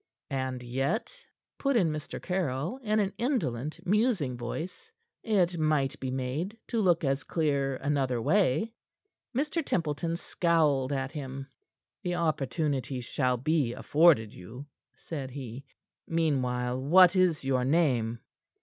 "And yet," put in Mr. Caryll, in an indolent, musing voice, "it might be made to look as clear another way." Mr. Templeton scowled at him. "The opportunity shall be afforded you," said he. "Meanwhile what is your name?"